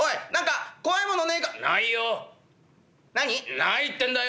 「ないってんだよ」。